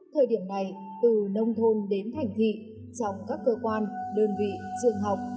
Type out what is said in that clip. thời điểm này từ nông thôn đến thành thị trong các cơ quan đơn vị trường học